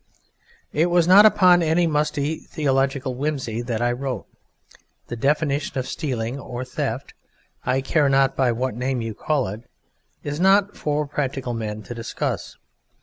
It was not upon any musty theological whimsy that I wrote; the definition of stealing or "theft" I care not by what name you call it is not for practical men to discuss.